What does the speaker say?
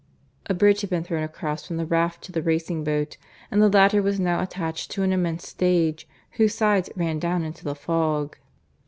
A bridge had been thrown across from the raft to the racing boat, and the latter was now attached to an immense stage whose sides ran down into the fog.